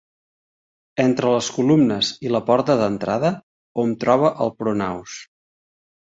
Entre les columnes i la porta d'entrada hom troba el pronaos.